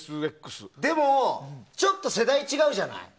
でも、ちょっと世代が違うじゃない。